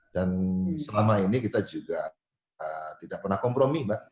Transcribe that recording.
dan selama ini kita juga tidak pernah kompromi mbak